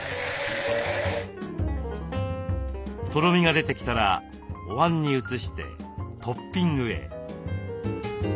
とろみが出てきたらおわんに移してトッピングへ。